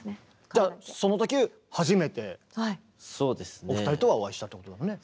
じゃあそのとき初めてお二人とはお会いしたってことだね。